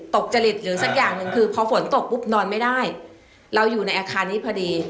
จริตหรือสักอย่างหนึ่งคือพอฝนตกปุ๊บนอนไม่ได้เราอยู่ในอาคารนี้พอดี